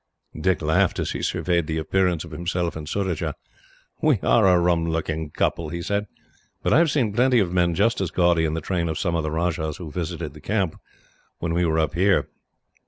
Dick laughed as he surveyed the appearance of himself and Surajah. "We are a rum looking couple," he said, "but I have seen plenty of men, just as gaudy, in the train of some of the rajahs who visited the camp when we were up here.